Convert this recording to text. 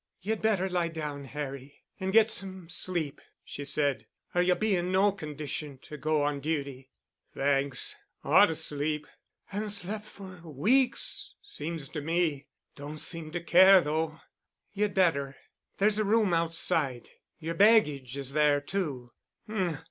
"You'd better lie down, Harry, and get some sleep," she said, "or you'll be in no condition to go on duty." "Thanks. Ought to sleep. Haven' slep' f'r weeks, seems to me. Don' seem to care though." "You'd better. There's a room outside. Your baggage is there too."